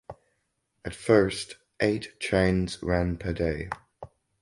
At first eight trains ran per day.